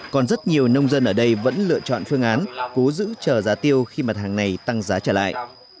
còn rất nhiều nông dân ở đây vẫn lựa chọn phương án cố giữ chờ giá tiêu khi mặt hàng này tăng giá trở lại